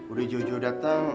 udah jauh jauh datang